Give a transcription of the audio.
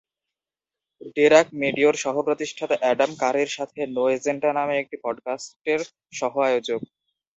ভেরাক মেভিওর সহ-প্রতিষ্ঠাতা Adam কারির সাথে "no agenda" নামে একটি পডকাস্টের সহ-আয়োজক।